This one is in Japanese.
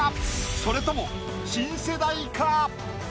それとも新世代か？